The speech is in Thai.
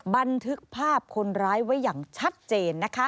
บันทึกภาพคนร้ายไว้อย่างชัดเจนนะคะ